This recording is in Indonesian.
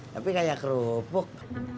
tapi kayak kerupuk